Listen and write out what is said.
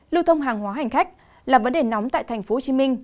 lưu thông hàng hóa hành khách là vấn đề nóng tại tp hcm